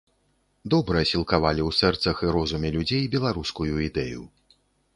Добра сілкавалі ў сэрцах і розуме людзей беларускую ідэю.